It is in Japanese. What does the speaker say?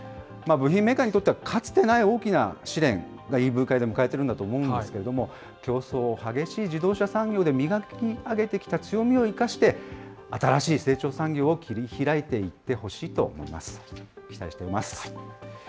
部品メーカーにとっては、かつてない大きな試練がＥＶ化で迎えているんだと思うんですけれども、競争を激しい自動車産業で磨き上げてきた強みを生かして、新しい成長産業を切り開いていってほし期待しています。